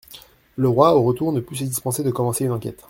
Le roi, au retour, ne put se dispenser de commencer une enquête.